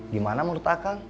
gimana menurut akang